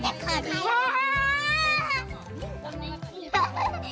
ハハハハ！